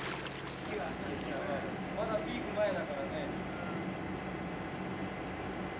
まだピーク前だからね。